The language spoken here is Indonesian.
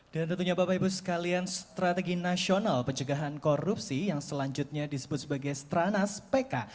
dan tentunya bapak ibu sekalian strategi nasional pencegahan korupsi yang selanjutnya disebut sebagai stranas pk